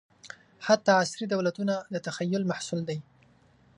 حتی عصري دولتونه د تخیل محصول دي.